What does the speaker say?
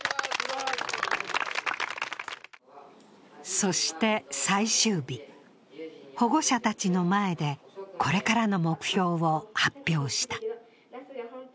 そして最終日、保護者たちの前でこれからの目標を発表した。